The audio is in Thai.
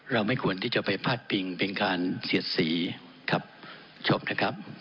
เราไม่ควรไปภาดพิงเป็นการเศียดศีครับชบนะครับ